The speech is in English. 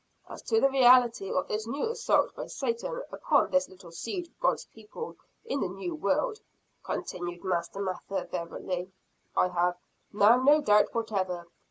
"As to the reality of this new assault by Satan upon this little seed of God's people in the new world," continued Master Mather, fervently, "I have now no doubt whatever.